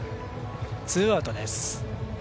ツーアウトです。